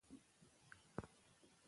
که تاسو غواړئ نو زه به نور معلومات درکړم.